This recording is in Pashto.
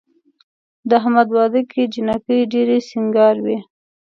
د احمد واده کې جینکۍ ډېرې سینګار وې.